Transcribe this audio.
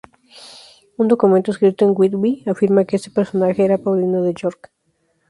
Un documento escrito en Whitby, afirma que este personaje era Paulino de York.